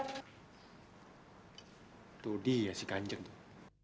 itu dia si kanjeng tuh